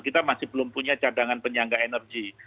kita masih belum punya cadangan penyangga energi